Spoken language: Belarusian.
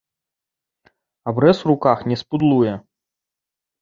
Абрэз у руках не спудлуе.